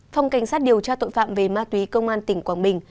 phòng cảnh sát điều tra tội phạm về ma túy công an tỉnh quảng bình